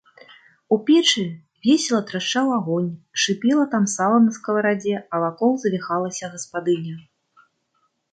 У печы весела трашчаў агонь, шыпела там сала на скаварадзе, а вакол завіхалася гаспадыня.